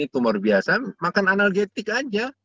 tumor biasa makan analgetik aja